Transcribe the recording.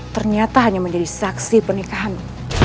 ternyata hanya menjadi saksi pernikahan